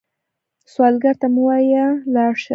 سوالګر ته مه وايئ “لاړ شه”